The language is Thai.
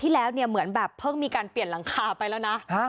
แล้วเนี่ยเหมือนแบบเพิ่งมีการเปลี่ยนหลังคาไปแล้วนะ